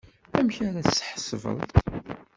Amek ara tt-tḥebseḍ?